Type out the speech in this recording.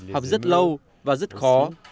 hợp rất lâu và rất khó